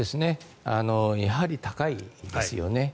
やはり高いですよね。